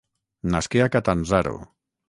Nasqué a Catanzaro.